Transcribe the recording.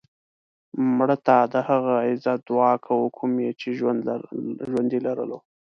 مړه ته د هغه عزت دعا کوو کوم یې چې ژوندی لرلو